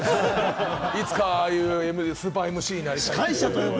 いつか、ああいうスーパーＭＣになりたいと。